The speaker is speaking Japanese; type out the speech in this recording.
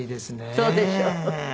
そうでしょう。